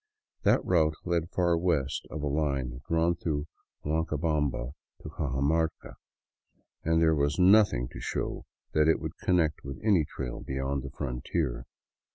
That route led far west of a line drawn through Huancabamba to Cajamarca, and there was nothing to show that it would connect with any trail beyond the frontier.